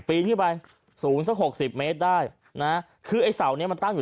ปีนขึ้นไปสูงสักหกสิบเมตรได้นะคือไอ้เสาเนี้ยมันตั้งอยู่